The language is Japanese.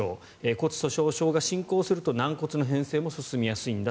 骨粗しょう症が進行すると軟骨の変性も進みやすいと。